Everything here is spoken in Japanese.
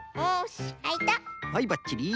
はいばっちり。